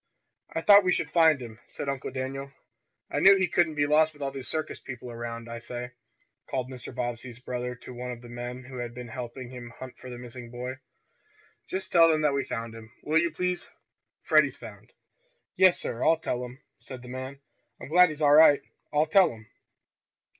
"I thought we should find him," said Uncle Daniel. "I knew he couldn't be lost with all these circus people around. I say!" called Mr. Bobbsey's brother to one of the men who had been helping hunt for the missing boy. "Just tell them that we found him, will you, please? Freddie's found." "Yes, sir, I'll tell 'em," said the man. "I'm glad he's all right. I'll tell 'em!"